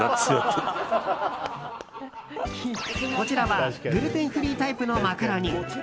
こちらはグルテンフリータイプのマカロニ。